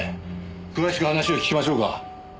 詳しく話を聞きましょうか。